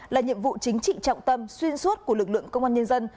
là nhiệm vụ chính trị trọng tâm xuyên suốt của lực lượng công an nhân dân